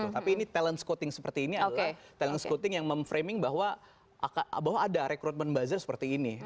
tapi ini talent scouting seperti ini adalah talent scouting yang memframing bahwa ada rekrutmen buzzer seperti ini